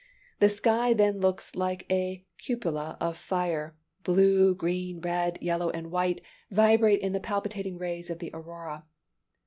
The sky then looks like a cupola of fire: blue, green, red, yellow and white vibrate in the palpitating rays of the aurora.